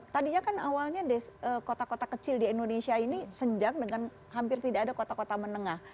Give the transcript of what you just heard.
tadinya kan awalnya kota kota kecil di indonesia ini senjang dengan hampir tidak ada kota kota menengah